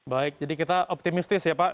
baik jadi kita optimistis ya pak